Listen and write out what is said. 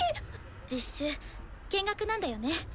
実習見学なんだよね？